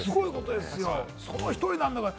その一人なんだから。